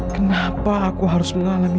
kenapa aku harus mengalami